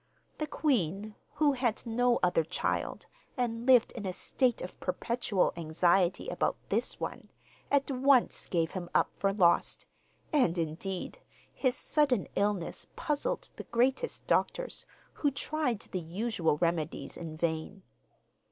The queen, who had no other child, and lived in a state of perpetual anxiety about this one, at once gave him up for lost, and indeed his sudden illness puzzled the greatest doctors, who tried the usual remedies in vain.